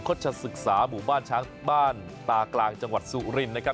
ชศศึกษาหมู่บ้านช้างบ้านตากลางจังหวัดสุรินนะครับ